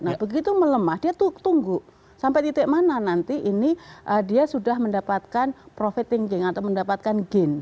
nah begitu melemah dia tunggu sampai titik mana nanti ini dia sudah mendapatkan profit thinking atau mendapatkan gain